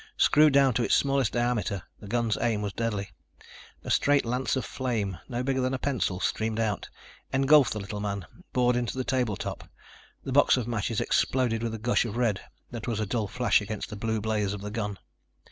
Screwed down to its smallest diameter, the gun's aim was deadly. A straight lance of flame, no bigger than a pencil, streamed out, engulfed the little man, bored into the table top. The box of matches exploded with a gush of red that was a dull flash against the blue blaze of the gun.